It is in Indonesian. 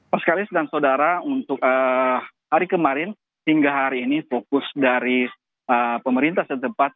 maskalis dan saudara untuk hari kemarin hingga hari ini fokus dari pemerintah setempat